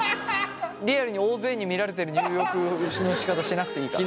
リアルに大勢に見られてる入浴のしかたしなくていいから。